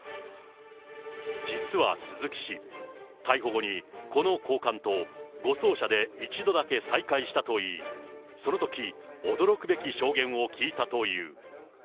実は鈴木氏、逮捕後にこの高官と護送車で一度だけ再会したといい、そのとき、驚くべき証言を聞いたという。